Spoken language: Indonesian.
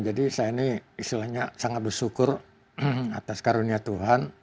jadi saya ini istilahnya sangat bersyukur atas karunia tuhan